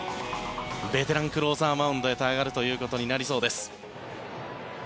ベテランのクローザーがマウンドに上がるということになりそうです。